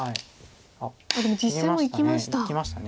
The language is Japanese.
でも実戦もいきました。